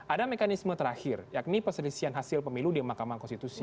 ada mekanisme terakhir yakni perselisihan hasil pemilu di mahkamah konstitusi